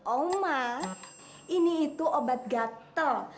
oma ini itu obat gatel